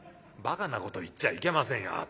「ばかなこと言っちゃいけませんよ